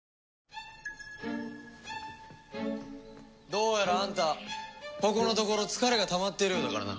どうやらあんたここのところ疲れがたまっているようだからな。